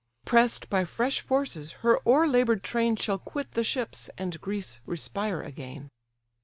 Press'd by fresh forces, her o'erlabour'd train Shall quit the ships, and Greece respire again."